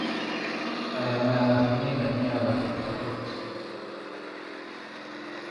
Szamizdat munkája mellett német nyelvet oktatott.